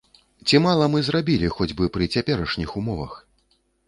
Ці мала мы зрабілі хоць бы пры цяперашніх умовах?